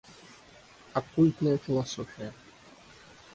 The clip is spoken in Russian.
Оккультная философия.